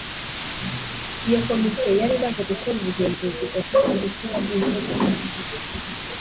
iyo Komite yari imaze gukora ubugenzuzi audit inshuro imwe gusa